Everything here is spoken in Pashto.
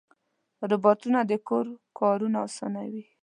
روبوټونه د کور کارونه اسانوي.